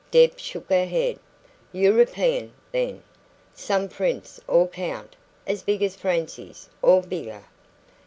Deb shook her head. "European, then? Some prince or count, as big as Francie's, or bigger?"